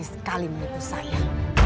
berani sekali menipu saya